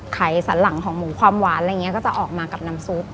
สันหลังของหมูความหวานอะไรอย่างนี้ก็จะออกมากับน้ำซุป